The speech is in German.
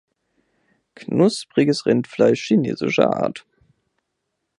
Knuspriges Rindfleisch chinesischer Art.